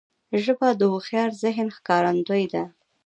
ژبه د هوښیار ذهن ښکارندوی ده